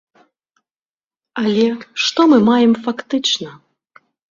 Але што мы маем фактычна?